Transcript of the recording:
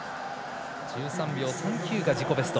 １３秒３９が自己ベスト。